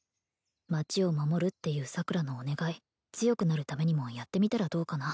町を守るっていう桜のお願い強くなるためにもやってみたらどうかな